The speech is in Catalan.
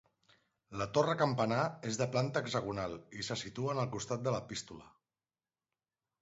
La torre campanar és de planta hexagonal i se situa en el costat de l'Epístola.